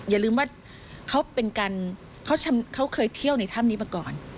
อย่าลืมว่าเขาเป็นการเขาเคยเที่ยวในถ้ำนี้มาก่อน